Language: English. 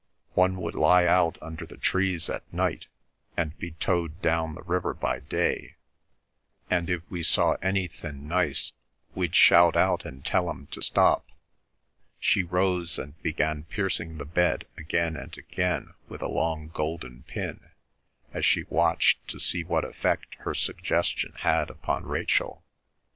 One would lie out under the trees at night and be towed down the river by day, and if we saw anythin' nice we'd shout out and tell 'em to stop." She rose and began piercing the bed again and again with a long golden pin, as she watched to see what effect her suggestion had upon Rachel.